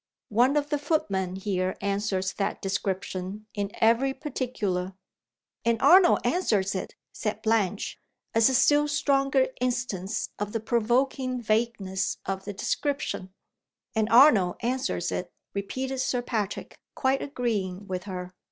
One of the footmen here answers that description in every particular." "And Arnold answers it," said Blanche as a still stronger instance of the provoking vagueness of the description. "And Arnold answers it," repeated Sir Patrick, quite agreeing with her.